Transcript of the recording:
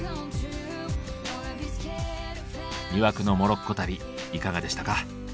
魅惑のモロッコ旅いかがでしたか。